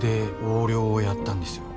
横領をやったんですよ。